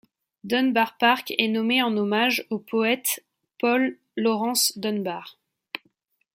Dunbar Park est nommé en hommage au poète Paul Laurence Dunbar.